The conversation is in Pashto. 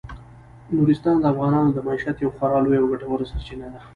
نورستان د افغانانو د معیشت یوه خورا لویه او ګټوره سرچینه ده.